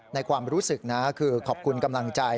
ในความรู้สึกนะคือขอบคุณกำลังใจ